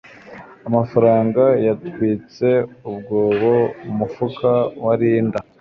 Amafaranga yatwitse umwobo mu mufuka wa Linda.